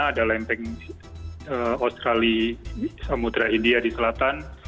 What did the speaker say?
ada lempeng australia samudera india di selatan